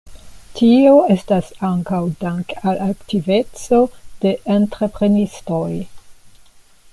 Tio estas ankaŭ dank al aktiveco de entreprenistoj.